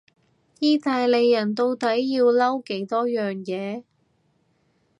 意大利人到底要嬲幾多樣嘢？